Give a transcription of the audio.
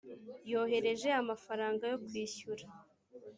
yohereje amafaranga yo kwishyura